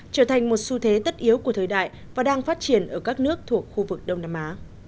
trở thành một xu thế tất yếu của thời đại và đang phát triển ở các nước thuộc khu vực đông nam á